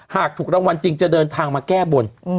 หากถูกรางวัลจริงจะเดินทางมาแก้บน